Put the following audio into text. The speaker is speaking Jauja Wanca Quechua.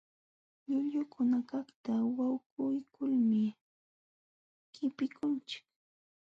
Llullukunakaqta wankuykulmi qipikunchik.